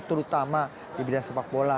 terutama di bidang sepak bola